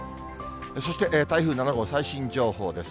そして台風７号、最新情報です。